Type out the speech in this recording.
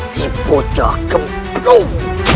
si pocah kembung